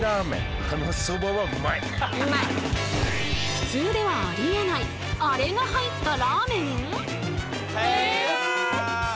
普通ではありえないアレが入ったラーメン！？